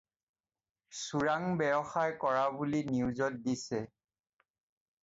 চোৰাং ব্যৱসায় কৰা বুলি নিউজত দিছে।